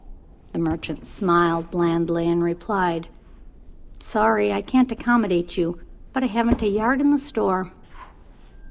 The merchant smiled blandly and replied "Sorry I can't accommodate you. But I haven't a yard in the store."